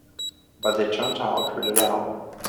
But they turned out really well.